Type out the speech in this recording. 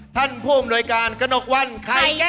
ท่านภูมิโดยการกนกวันไข่แก้